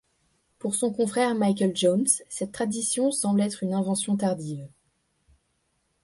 Pour son confrère Michael Jones, cette tradition semble être une invention tardive.